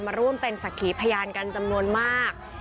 ร่วมเป็นสักขีพยานกันจำนวนมาก